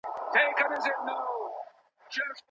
ښه خبره زړونه نرموي